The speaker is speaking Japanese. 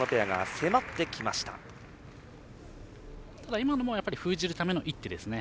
今のも封じるための一手ですね。